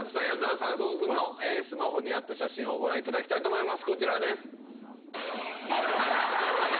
夫婦のスマホにあった写真をご覧いただきたいと思います。